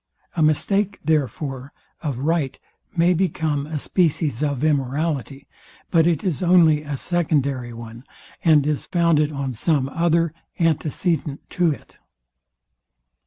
A mistake, therefore, of right may become a species of immorality; but it is only a secondary one, and is founded on some other, antecedent to it.